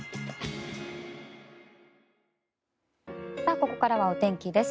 ここからはお天気です。